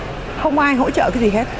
họ không có hỗ trợ cái gì hết